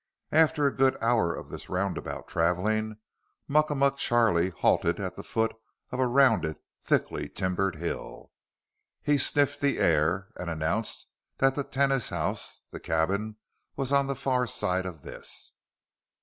After a good hour of this roundabout traveling, Muckamuck Charlie halted at the foot of a rounded, thickly timbered hill. He sniffed the air and announced that the tenas house, the cabin, was on the far side of this.